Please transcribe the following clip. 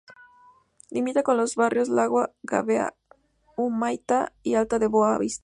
Limita con los barrios Lagoa, Gávea, Humaitá y Alto da Boa Vista.